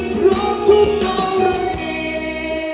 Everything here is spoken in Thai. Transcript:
เพราะทุกเรารักมี